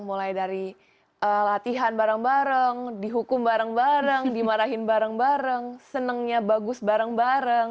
mulai dari latihan bareng bareng dihukum bareng bareng dimarahin bareng bareng senangnya bagus bareng bareng